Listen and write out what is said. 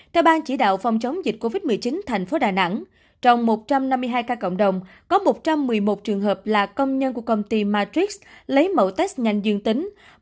theo bang chỉ đạo phòng chống dịch covid một mươi chín thành phố đà nẵng trong một trăm năm mươi hai ca cộng đồng có một trăm một mươi một trường hợp là công nhân của công ty matrix lấy mẫu test nhanh dương tính